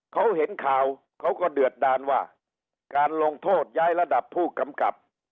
เขาเห็นข่าวเขาก็เดือดดานว่าการลงโทษย้ายระดับผู้กำกับ